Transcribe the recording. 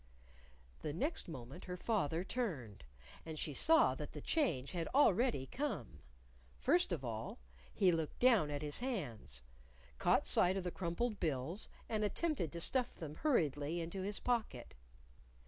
The next moment her father turned. And she saw that the change had already come. First of all, he looked down at his hands, caught sight of the crumpled bills, and attempted to stuff them hurriedly into his pocket.